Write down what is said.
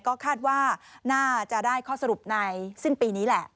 ก็คาดว่าน่าจะได้ข้อสรุปในสิ้นปีนี้แหละ